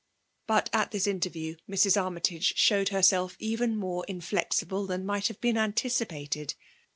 But at this interview Mrs. Armytage showed herself even more inflexible t}ian might have been anticipated.